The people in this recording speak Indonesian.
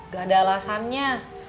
gak ada alasannya